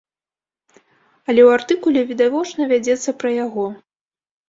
Але ў артыкуле відавочна вядзецца пра яго.